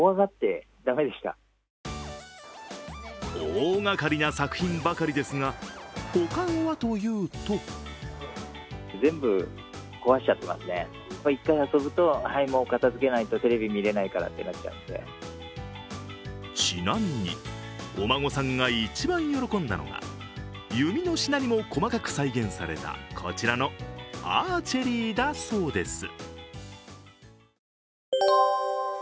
大がかりな作品ばかりですが保管はというとちなみに、お孫さんが一番喜んだのが弓のしなりも細かく再現されたこちらのアーチェリーだそうです。